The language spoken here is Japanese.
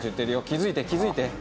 気づいて気づいて。